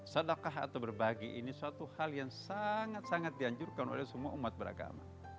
sedekah atau berbagi ini suatu hal yang sangat sangat dianjurkan oleh semua umat beragama